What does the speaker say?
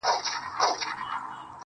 دغه رنگينه او حسينه سپوږمۍ.